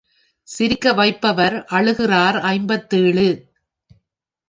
சிரிக்கவைப்பவர் அழுகிறார் ஐம்பத்தேழு.